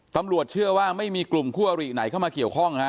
ตำรวจเชื่อว่าไม่มีกลุ่มคู่อริไหนเข้ามาเกี่ยวข้องฮะ